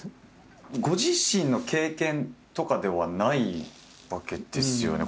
ご自身の経験とかではないわけですよね？